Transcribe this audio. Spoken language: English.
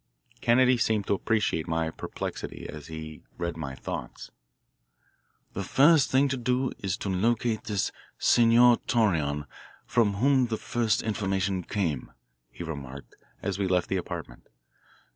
Kennedy seemed to appreciate my perplexity as though he read my thoughts. "The first thing to do is to locate this Senor Torreon from whom the first information came," he remarked as we left the apartment.